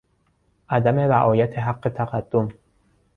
عدم رعایت حق تقدم